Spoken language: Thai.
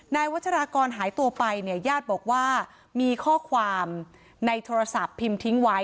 วัชรากรหายตัวไปเนี่ยญาติบอกว่ามีข้อความในโทรศัพท์พิมพ์ทิ้งไว้